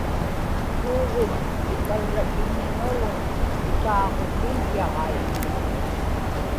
kuugum ikarrakiññiŋagun ikaaġutiyyaġai